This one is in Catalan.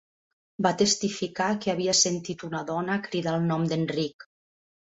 Va testificar que havia sentit una dona cridar el nom d'"Enric".